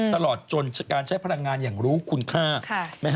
ตลอดจนการใช้พลังงานอย่างรู้คุณค่า